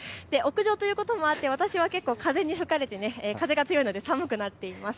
屋上ということもあって私は結構風に吹かれて風が強いので寒くなっています。